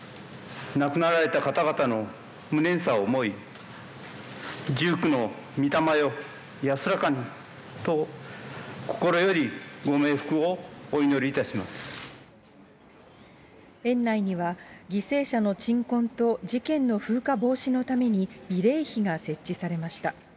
亡くなられた方々の無念さを思い、１９のみ霊よ、安らかにと、園内には、犠牲者の鎮魂と事件の風化防止のために慰霊碑が設置されました。